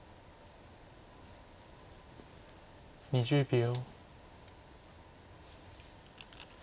２０秒。